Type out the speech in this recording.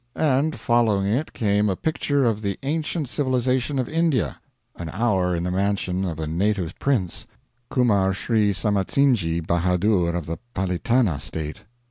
And following it came a picture of the ancient civilization of India an hour in the mansion of a native prince: Kumar Schri Samatsinhji Bahadur of the Palitana State.